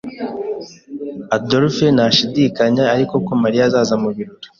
Adolphe ntashidikanya ariko ko Mariya azaza mubirori.